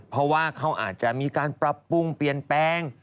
เพราะว่าเขาอาจจะมีการปรับปรุงเปลี่ยนแปลง